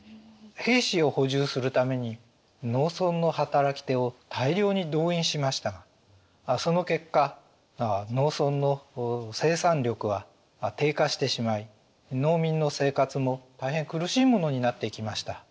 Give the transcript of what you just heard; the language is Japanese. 兵士を補充するために農村の働き手を大量に動員しましたがその結果農村の生産力は低下してしまい農民の生活も大変苦しいものになっていきました。